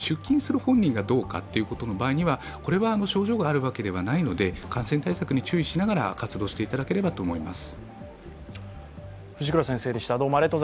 ただ、熱が出ている家族ではなくて出勤する本人がどうかということであれは症状があるわけではないので、感染対策に注意しながら活動していただければと思います。